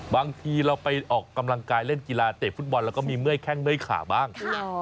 บางทีเราไปออกกำลังกายเล่นกีฬาเตะฟุตบอลแล้วก็มีเมื่อยแข้งเมื่อยขาบ้าง